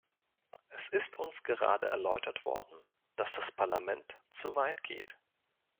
Es ist uns gerade erläutert worden, dass das Parlament zu weit geht.